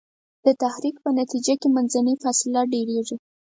د تحرک په نتیجه کې منځنۍ فاصله ډیریږي.